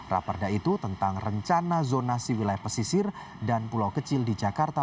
raperda itu tentang rencana zonasi wilayah pesisir dan pulau kecil di jakarta